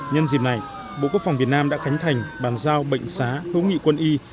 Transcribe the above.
nhân dịp này bộ quốc phòng việt nam đã khánh thành bàn giao bệnh xá hữu nghị quân y